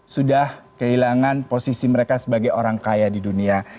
sudah kehilangan posisi mereka sebagai orang kaya di dunia